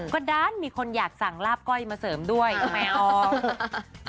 ก็ด้านมีคนอยากสั่งลาบก้อยมาเสริมด้วยทำไมออก